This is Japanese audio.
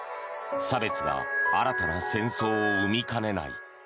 差別が新たな戦争を生みかねない。